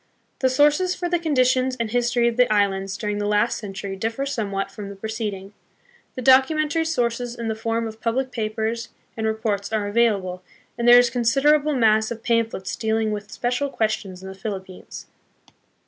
The sources for the conditions and history of the islands during the last century differ somewhat from the preced ing. The documentary sources in the form of public papers and reports are available, and there is a consider able mass of pamphlets dealing with special questions in the Philippines.